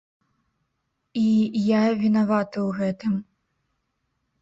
І я вінаваты ў гэтым.